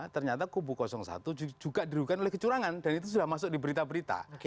ternyata kubu satu juga dirugikan oleh kecurangan dan itu sudah masuk di berita berita